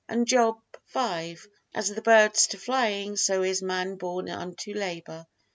And Job v, "As the birds to flying, so is man born unto labor."